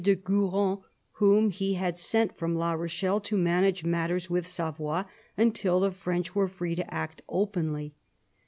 de Guron, whom he had sent from La Rochelle to manage matters with Savoy until the French were free to act openly.